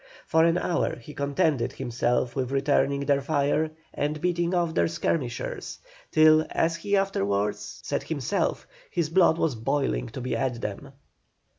For an hour he contented himself with returning their fire and beating off their skirmishers, till, as he afterwards said himself, his blood was boiling to be at them.